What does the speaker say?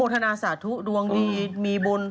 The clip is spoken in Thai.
โหมดทนาศาสตร์ทุกดวงดีมีบุญ